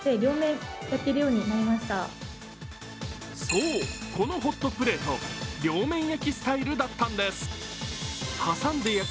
そう、このホットプレート、両面焼きスタイルだったんです。